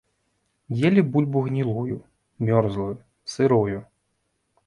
Елі бульбу гнілую, мёрзлую, сырую.